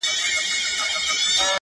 زما سترګو کې هغسې یو غنې غنې خوب دی